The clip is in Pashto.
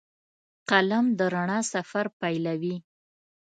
قلم د رڼا سفر پیلوي